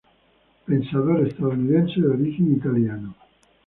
Pensador estadounidense, de origen italiano.